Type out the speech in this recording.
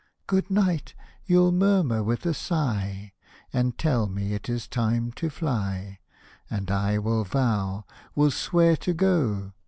" Good night !" you'll murmur with a sigh, And tell me it is time to fly : And I will vow, will swear to go.